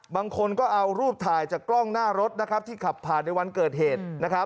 บางคนก็เอารูปถ่ายจากกล้องหน้ารถที่ขับผ่านในวันเกิดเหตุ